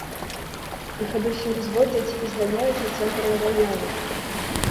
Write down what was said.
Іх адусюль зводзяць і зганяюць у цэнтр раёна.